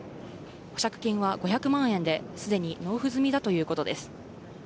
保釈金は５００万円で、すでに納付済みだということです。